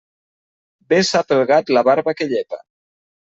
Bé sap el gat la barba que llepa.